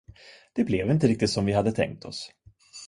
Det blev inte riktigt som vi hade tänkt oss.